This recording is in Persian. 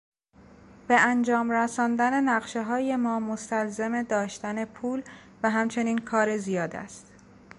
به انجام رساندن نقشههای ما مستلزم داشتن پول و همچنین کار زیاد است.